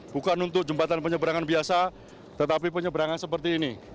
bukan untuk jembatan penyeberangan biasa tetapi penyeberangan seperti ini